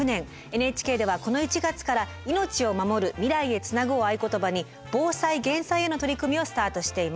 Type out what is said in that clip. ＮＨＫではこの１月から「命をまもる未来へつなぐ」を合言葉に防災・減災への取り組みをスタートしています。